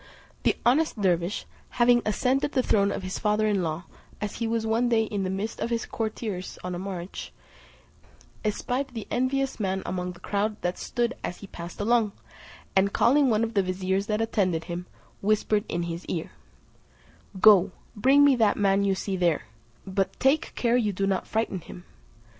The honest dervise, having ascended the throne of his father in law, as he was one day in the midst of his courtiers on a march, espied the envious man among the crowd that stood as he passed along, and calling one of the viziers that attended him, whispered him in his ear, "Go, bring me that man you see there; but take care you do not frighten him."